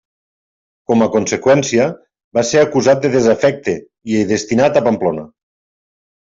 Com a conseqüència, va ser acusat de desafecte i destinat a Pamplona.